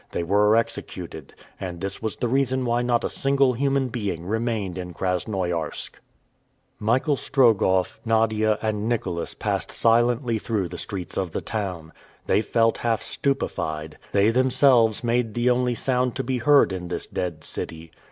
They were executed, and this was the reason why not a single human being remained in Krasnoiarsk. Michael Strogoff, Nadia, and Nicholas passed silently through the streets of the town. They felt half stupefied. They themselves made the only sound to be heard in this dead city.